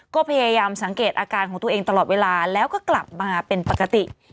ก็พยายามสังเกตอาการของตัวเองตลอดเวลาแล้วก็กลับมาเป็นปกติ